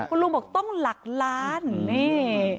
คุณลุงบอกต้องหลักล้านนี่